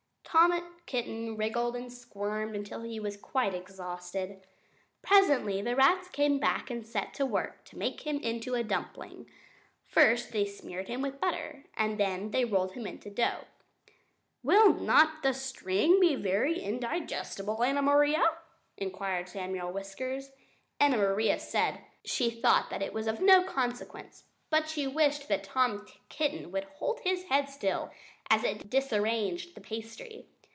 Tom Kitten wriggled and squirmed until he was quite exhausted. Presently the rats came back and set to work to make him into a dumpling. First they smeared him with butter, and then they rolled him in the dough. "Will not the string be very indigestible, Anna Maria?" inquired Samuel Whiskers. Anna Maria said she thought that it was of no consequence; but she wished that Tom Kitten would hold his head still, as it disarranged the pastry.